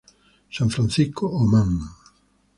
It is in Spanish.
San Francisco o Man.